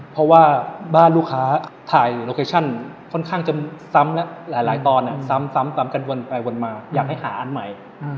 เพราะว่าบ้านลูกค้าถ่ายโลเคชั่นค่อนข้างจะซ้ำแล้วหลายตอนซ้ำกันวนไปวนมาอยากให้หาอันใหม่